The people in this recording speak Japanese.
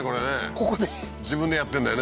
ここで自分でやってんだよね